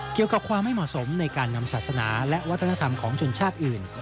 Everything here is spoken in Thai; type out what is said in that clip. เกี่ยวกับความไม่เหมาะสมในการนำศาสนาและวัฒนธรรมของชนชาติอื่น